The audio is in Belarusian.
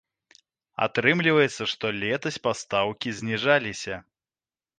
Атрымліваецца, што летась пастаўкі зніжаліся.